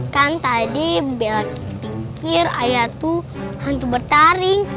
kan tadi bella pikir ayah tuh hantu bertaring